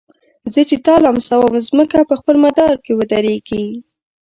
زه چي تا لمسوم مځکه په خپل مدار کي ودريږي